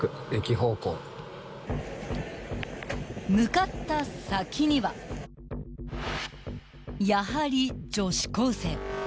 ［向かった先にはやはり女子高生］